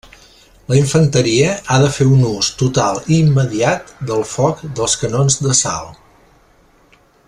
La infanteria ha de fer un ús total i immediat del foc dels canons d'assalt.